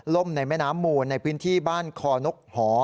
ในแม่น้ำมูลในพื้นที่บ้านคอนกหอ